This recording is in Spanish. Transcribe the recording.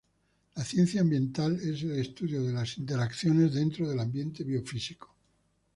La ciencia ambiental es el estudio de las interacciones dentro del ambiente biofísico.